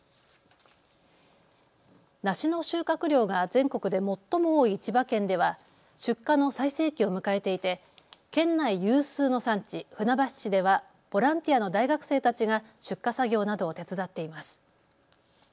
梨の収穫量が全国で最も多い千葉県では出荷の最盛期を迎えていて県内有数の産地、船橋市ではボランティアの大学生たちが出荷作業などを手伝っています。